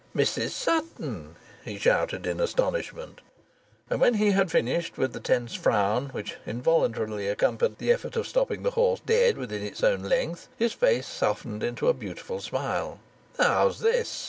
"Mrs Sutton!" he shouted in astonishment, and when he had finished with the tense frown which involuntarily accompanied the effort of stopping the horse dead within its own length, his face softened into a beautiful smile. "How's this?"